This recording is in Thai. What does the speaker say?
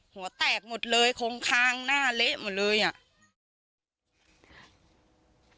หัวแตกหมดเลยคงคางหน้าเละหมดเลยอ่ะ